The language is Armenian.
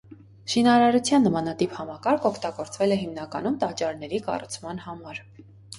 Շինարարության նմանատիպ համակարգ օգտագործվել է հիմնականում տաճարների կառուցման համար։